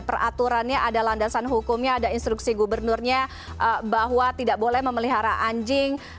peraturannya ada landasan hukumnya ada instruksi gubernurnya bahwa tidak boleh memelihara anjing